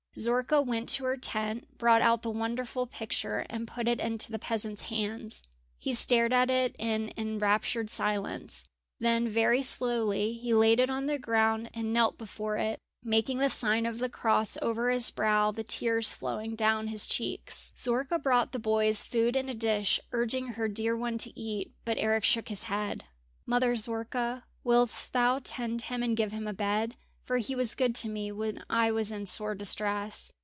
Zorka went to her tent, brought out the wonderful picture, and put it into the peasant's hands. He stared at it in enraptured silence. Then very slowly he laid it on the ground and knelt before it, making the sign of the cross over his brow, the tears flowing down his cheeks. Zorka brought the boys food in a dish, urging her dear one to eat, but Eric shook his head. "Mother Zorka, willst thou tend him and give him a bed? for he was good to me when I was in sore distress."